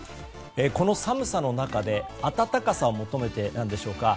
この寒さの中で暖かさを求めてなんでしょうか。